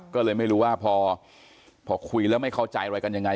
ก็เลยไม่รู้ว่าพอคุยแล้วไม่เข้าใจอะไรกันยังไง